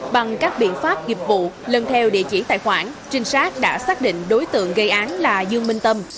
bằng các biện pháp nghiệp vụ lần theo địa chỉ tài khoản trinh sát đã xác định đối tượng gây án là dương minh tâm